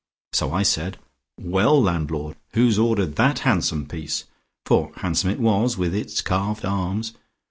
So I said, 'Well, landlord, who has ordered that handsome piece?' For handsome it was with its carved arms.